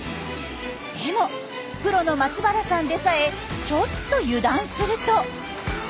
でもプロの松原さんでさえちょっと油断すると。